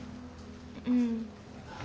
うん。